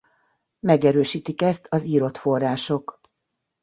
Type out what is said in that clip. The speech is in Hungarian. Megerősítik ezt az írott források.